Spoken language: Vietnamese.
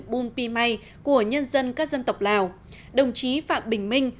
bùn pi may của nhân dân các dân tộc lào đồng chí phạm bình minh